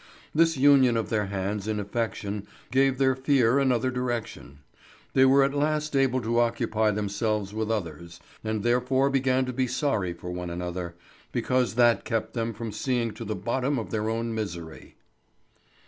This union of their hands in affection gave their fear another direction. They were at last able to occupy themselves with others, and therefore began to be sorry for one another, because that kept them from seeing to the bottom of their own misery.